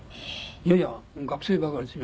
「いやいや学生ばかりです。